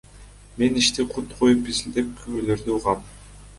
Мен ишти кунт коюп изилдеп, күбөлөрдү угам.